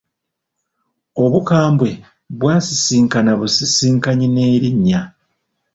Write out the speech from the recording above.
Obukambwe bwasisinkana busisinkanyi n'erinnya.